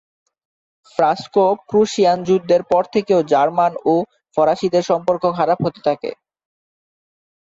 Franco-Prussian যুদ্ধের পর থেকে জার্মান ও ফরাসিদের সম্পর্ক খারাপ হতে থাকে।